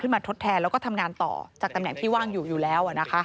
มาทดแทนแล้วก็ทำงานต่อจากตำแหน่งที่ว่างอยู่อยู่แล้ว